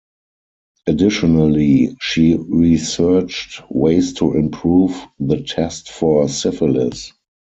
Additionally, she researched ways to improve the test for syphilis.